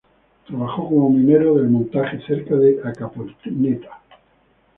Trabajó como minero en El Montaje, cerca de Acaponeta.